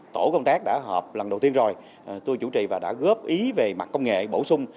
tổ công tác đã họp lần đầu tiên rồi tôi chủ trì và đã góp ý về mặt công nghệ bổ sung